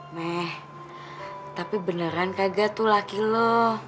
meh tapi beneran kagak tuh laki lo